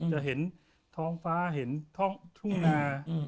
จะเห็นท้องฟ้าเห็นท้องทุ่งนา